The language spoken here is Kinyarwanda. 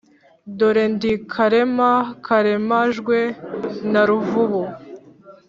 dore ndi karema karemajwe na ruvubu